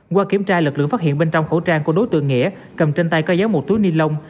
qua kiểm tra lực lượng phát hiện bên trong khẩu trang của đối tượng nghĩa cầm trên tay có giấu một túi ni lông